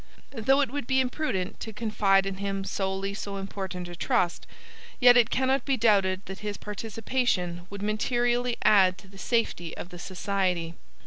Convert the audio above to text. Though it would be imprudent to confide in him solely so important a trust, yet it cannot be doubted that his participation would materially add to the safety of the society.